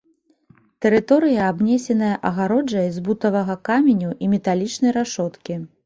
Тэрыторыя абнесеная агароджай з бутавага каменю і металічнай рашоткі.